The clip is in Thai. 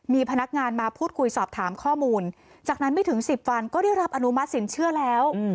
มีพนักงานมาพูดคุยสอบถามข้อมูลจากนั้นไม่ถึง๑๐วันก็ได้รับอนุมัติสินเชื่อแล้ว